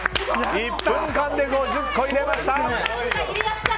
１分間で５０個入れました。